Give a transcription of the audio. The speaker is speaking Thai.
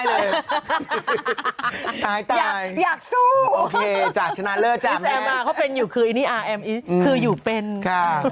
ปล่อยเปล่าค่ะหนูพูด